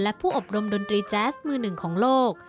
และผู้อบรมดนตรีแจ๊สมือหนึ่งของโลก